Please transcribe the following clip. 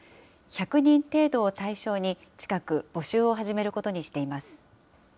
１００人程度を対象に、近く募集を始めることにしています。